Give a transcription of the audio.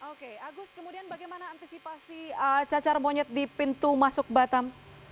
oke agus kemudian bagaimana antisipasi cacar monyet di pintu masuk batam